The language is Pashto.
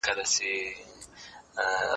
علم د ژوند لاره روښانه کوي.